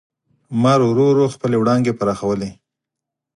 لمر ورو ورو خپلې وړانګې پراخولې.